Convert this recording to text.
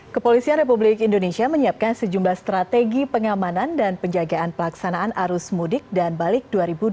kepolisian republik indonesia menyiapkan sejumlah strategi pengamanan dan penjagaan pelaksanaan arus mudik dan balik dua ribu dua puluh